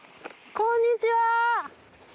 こんにちは。